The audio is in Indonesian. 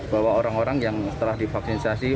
bawa orang orang yang telah divaksinsasi